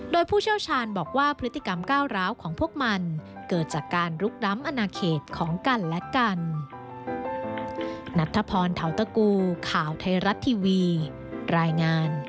โดยผู้เชี่ยวชาญบอกว่าพฤติกรรมก้าวร้าวของพวกมันเกิดจากการลุกล้ำอนาเขตของกันและกัน